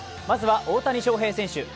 まずは大谷翔平選手。